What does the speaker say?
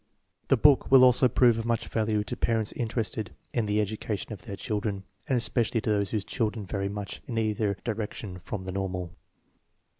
The book will also prove of much value to parents interested in the education of their children, and especially to those whose children vary much in either direction from the normal.